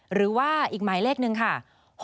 หรือว่าอีกหมายเลขหนึ่งค่ะ